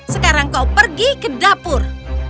sekarang kau pergi ke dapur